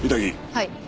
はい。